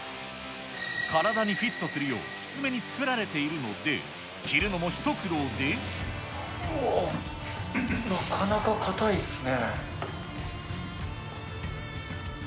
体にフィットするようきつめに作られているので、着るのも一うおー、なかなか硬いですね。